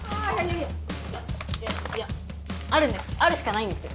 いやいやいやあるんですあるしかないんです。